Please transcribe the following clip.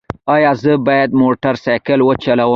ایا زه باید موټر سایکل وچلوم؟